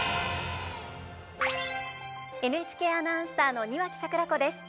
ＮＨＫアナウンサーの庭木櫻子です。